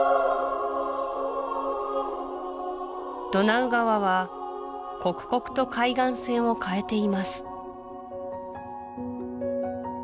ドナウ川は刻々と海岸線を変えています